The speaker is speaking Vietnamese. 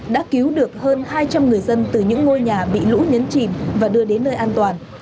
đã cứu được hơn hai trăm linh người dân từ những ngôi nhà bị lũ nhấn chìm và đưa đến nơi an toàn